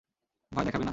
ভয় দেখাবে না?